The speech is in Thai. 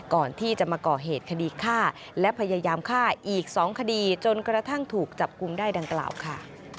ก่อนที่จะมาก่อเหตุคดีฆ่าและพยายามฆ่าอีก๒คดีจนกระทั่งถูกจับกลุ่มได้ดังกล่าวค่ะ